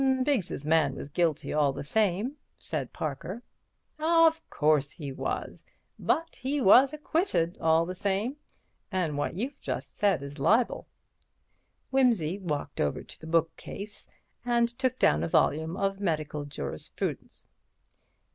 "Biggs's man was guilty all the same," said Parker. "Of course he was. But he was acquitted all the same, an' what you've just said is libel." Wimsey walked over to the bookshelf and took down a volume of Medical Jurisprudence.